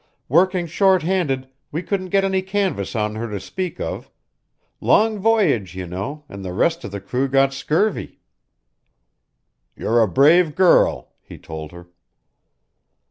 Working short handed, we couldn't get any canvas on her to speak of long voyage, you know, and the rest of the crew got scurvy." "You're a brave girl," he told her.